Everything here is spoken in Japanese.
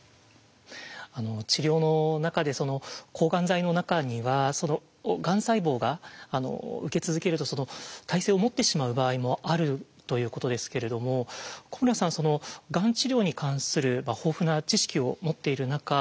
治療の中で抗がん剤の中にはがん細胞が受け続けると耐性を持ってしまう場合もあるということですけれども古村さんがん治療に関する豊富な知識を持っている中